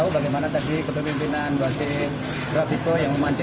berita terkini mengenai penyelamatkan wasit di borneo fc